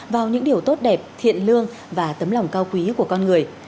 vào những điều tốt đẹp thiện lương và tấm lòng cao quý của con người